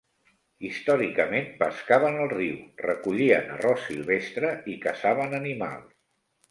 Històricament pescaven al riu, recollien arròs silvestre, i caçaven animals.